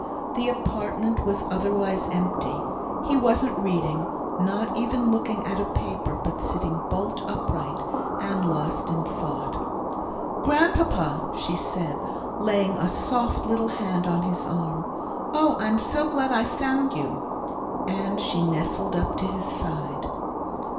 The apartment was otherwise empty. He wasn't reading, not even looking at a paper, but sitting bolt upright, and lost in thought. "Grandpapa," she said, laying a soft little hand on his arm. "Oh, I'm so glad I found you." And she nestled up to his side.